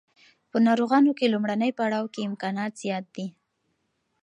په ناروغانو کې لومړني پړاو کې امکانات زیات دي.